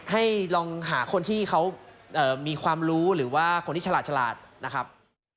ให้ลองหาคนที่เขามีความรู้หรือว่าคนที่ฉลาดนะครับ